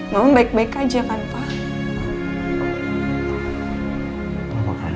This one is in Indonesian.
namun baik baik aja kan pak